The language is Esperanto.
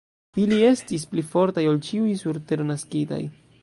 Ili estis pli fortaj ol ĉiuj, sur tero naskitaj.